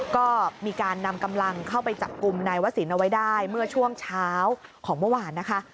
ก็มีการนำกำลังเข้าไปจับกลุ่มนายวศิลป์เอาไว้ได้เมื่อช่วงเช้าของเมื่อวานนะคะ